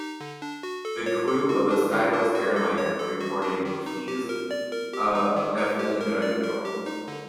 The crew of a Skywest airliner reported "He's, uh, definitely out of control".